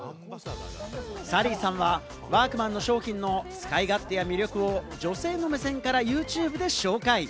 サリーさんはワークマンの商品の使い勝手や魅力を女性の目線からユーチューブで紹介。